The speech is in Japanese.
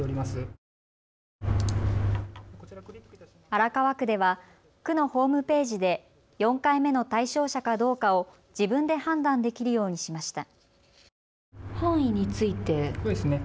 荒川区では区のホームページで４回目の対象者かどうかを自分で判断できるようにしました。